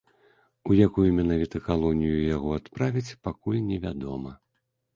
У якую менавіта калонію яго адправяць, пакуль не вядома.